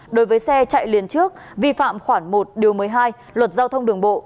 đối với xe chạy liền trước vi phạm khoảng một điều một mươi hai luật giao thông đường bộ